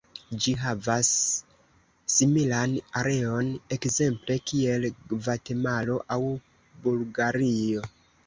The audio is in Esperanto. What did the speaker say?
Ĝi havas similan areon ekzemple kiel Gvatemalo aŭ Bulgario.